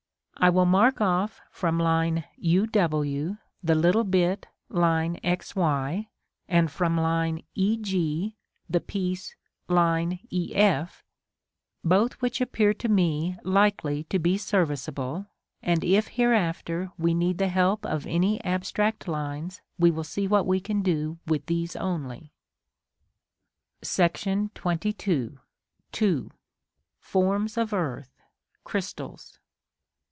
I will mark off from u w the little bit x y, and from e g the piece e f; both which appear to me likely to be serviceable: and if hereafter we need the help of any abstract lines, we will see what we can do with these only. § XXII. 2. Forms of Earth (Crystals).